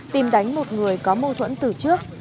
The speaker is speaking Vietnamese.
tìm đánh một người có mâu thuẫn tử trức